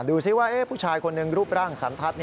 ดูสิว่าผู้ชายคนหนึ่งรูปร่างสันทัศน์